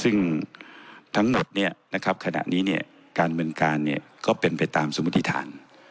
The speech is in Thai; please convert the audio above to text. ซึ่งทั้งหมดขณะนี้การเมืองการก็เป็นไปตามสมติฐาน